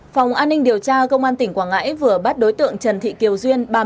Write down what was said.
phòng an ninh điều tra công an tỉnh quảng ngãi vừa bắt đối tượng trần thị kiều duyên